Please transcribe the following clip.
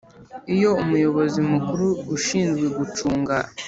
Iyo umuyobozi mukuru ushinzwe gucunga